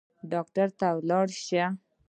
ډاکټر ته لاړ شئ